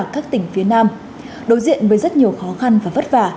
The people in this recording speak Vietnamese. các tỉnh phía nam đối diện với rất nhiều khó khăn và vất vả